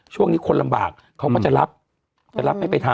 ช่วงนี้คนลำบากเขาก็จะรับจะรับไม่ไปทำ